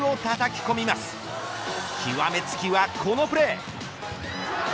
きわめつきは、このプレー。